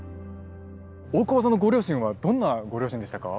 大久保さんのご両親はどんなご両親でしたか？